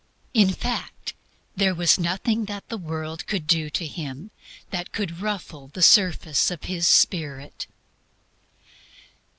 In fact, there was NOTHING THAT THE WORLD COULD DO TO HIM that could ruffle the surface of His spirit.